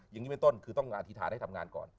อย่างนี้เป็นต้นคือต้องอธิษฐานให้ทำงานก่อน